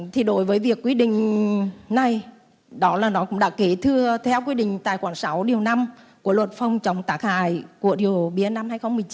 thì đối với việc quy định này đó là nó cũng đã kế thưa theo quy định tại khoảng sáu điều năm của luật phòng chống tác hại của rượu bia năm hai nghìn một mươi chín